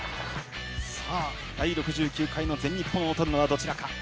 さあ、第６９回の全日本をとるのはどちらか。